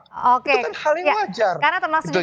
itu kan hal yang wajar